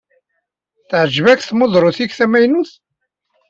Teɛjeb-ak tmudrut-ik tamaynut?